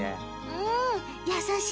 うん。